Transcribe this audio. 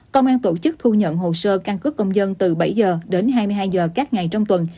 công an tổ chức thu nhận hồ sơ căn cứ công dân từ bảy h đến hai mươi hai h các ngày trong tuần